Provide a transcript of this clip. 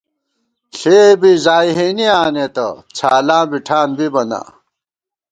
ݪےبی زائی ہېنی آنېتہ ، څھالاں بی ٹھان بِبہ نا